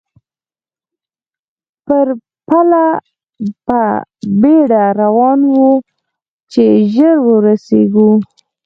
پر پله په بېړه روان وو، چې ژر ورسېږو.